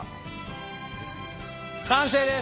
完成です！